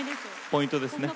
ポイントですね。